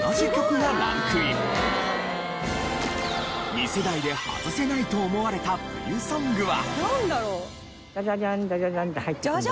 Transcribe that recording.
２世代でハズせないと思われた冬ソングは。